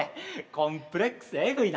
コンプレックスえぐいな。